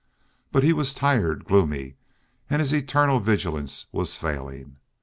But he was tired, gloomy, and his eternal vigilance was failing.